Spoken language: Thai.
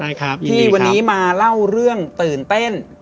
ยินดีวันนี้มาเล่าเรื่องตื่นเต้น